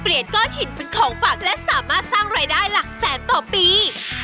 ก้อนหินเป็นของฝากและสามารถสร้างรายได้หลักแสนต่อปี